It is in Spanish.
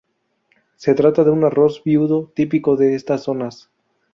Se trata de un arroz viudo típico de estas zonas.